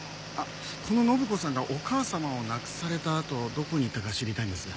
この展子さんがお母様を亡くされたあとどこに行ったか知りたいんですが。